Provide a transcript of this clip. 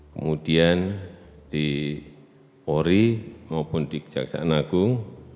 kemudian di pori maupun di kejaksaan agung